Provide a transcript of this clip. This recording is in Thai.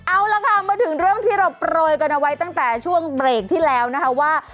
เอาละค่ะมาถึงเรื่องที่เราโปรยกันเอาไว้ตั้งแต่ช่วงเบรกที่แล้วนะคะว่า